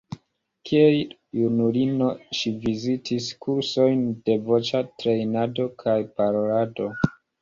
Kiel junulino ŝi vizitis kursojn de voĉa trejnado kaj parolado.